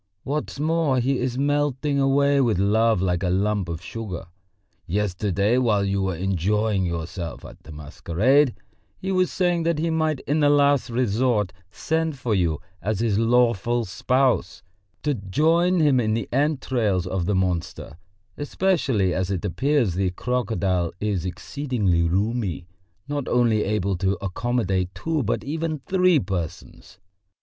What's more, he is melting away with love like a lump of sugar. Yesterday while you were enjoying yourself at the masquerade, he was saying that he might in the last resort send for you as his lawful spouse to join him in the entrails of the monster, especially as it appears the crocodile is exceedingly roomy, not only able to accommodate two but even three persons...."